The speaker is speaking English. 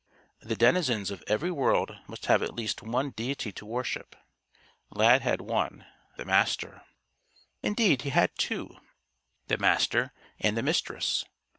The denizens of every world must have at least one deity to worship. Lad had one: the Master. Indeed, he had two: the Master and the Mistress.